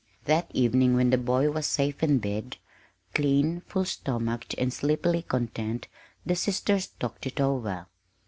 That evening when the boy was safe in bed clean, full stomached, and sleepily content the sisters talked it over.